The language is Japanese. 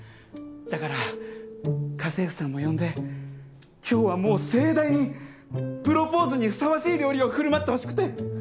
だから家政婦さんも呼んで今日はもう盛大にプロポーズにふさわしい料理を振る舞ってほしくて！